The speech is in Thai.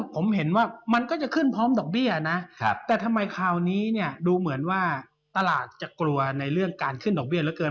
ผมเห็นว่ามันก็จะขึ้นพร้อมดอกเบี้ยนะแต่ทำไมคราวนี้เนี่ยดูเหมือนว่าตลาดจะกลัวในเรื่องการขึ้นดอกเบี้ยเหลือเกิน